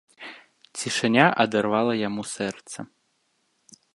Цішыня адарвала яму сэрца.